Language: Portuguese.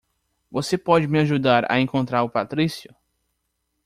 Você pode me ajudar a encontrar o Patrício?